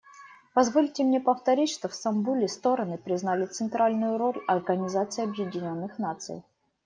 Позвольте мне повторить, что в Стамбуле стороны признали центральную роль Организации Объединенных Наций.